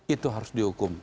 itu harus dihukum